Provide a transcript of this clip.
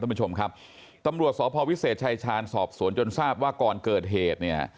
ท่านผู้ชมครับตำรวจสพวิเศษชายชาญสอบสวนจนทราบว่าก่อนเกิดเหตุเนี่ย